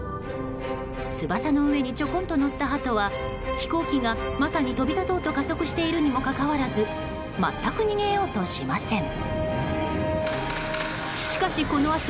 翼の上にちょこんと乗ったハトは飛行機がまさに飛び立とうと加速しているにもかかわらず全く逃げようとしません。